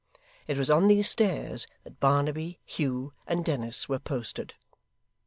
It was on these stairs that Barnaby, Hugh, and Dennis were posted.